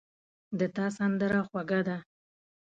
د تا سندره خوږه ده